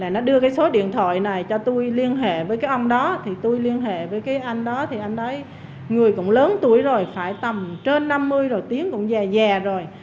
nó đưa cái số điện thoại này cho tôi liên hệ với cái ông đó thì tôi liên hệ với cái anh đó thì anh nói người cũng lớn tuổi rồi phải tầm trên năm mươi rồi tiếng cũng về già rồi